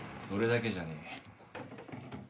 それだけじゃねえ。